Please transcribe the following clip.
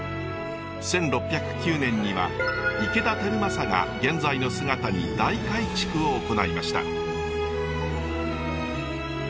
１６０９年には池田輝政が現在の姿に大改築を行いました。